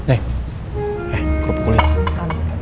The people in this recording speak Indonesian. eh eh gue pukulin